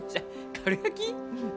かるやき！？